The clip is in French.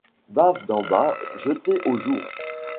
Bave d’en bas jetée au jour